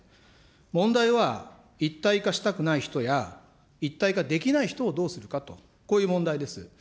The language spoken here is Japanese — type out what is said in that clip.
問題は、一体化したくない人や一体化できない人をどうするかと、こういう問題です。